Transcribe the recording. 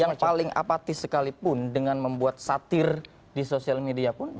yang paling apatis sekalipun dengan membuat satir di sosial media pun